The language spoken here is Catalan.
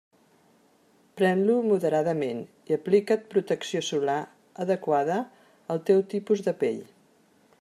Pren-lo moderadament i aplica't protecció solar adequada al teu tipus de pell.